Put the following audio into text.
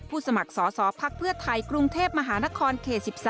ผู้สมัครสอบภักษ์เพื่อไทยกรุงเทพมหานครก๑๓